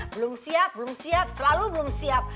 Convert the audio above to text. belum siap belum siap selalu belum siap